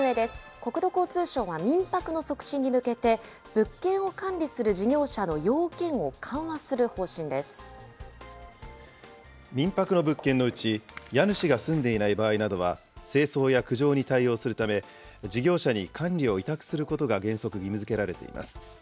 国土交通省は民泊の促進に向けて、物件を管理する事業者の要件を緩民泊の物件のうち、家主が住んでいない場合などは清掃や苦情に対応するため、事業者に管理を委託することが原則義務づけられています。